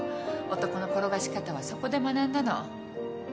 男の転がし方はそこで学んだの。